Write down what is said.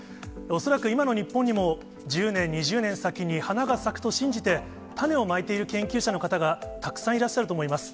恐らく今の日本にも、１０年、２０年先に花が咲くと信じて、種をまいている研究者の方がたくさんいらっしゃると思います。